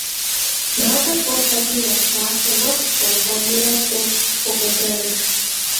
Мазэр кӀуэ пэтми нэхъ лъахъшэ мэхъу, хуэм-хуэмурэ хым хокӀуэдэж.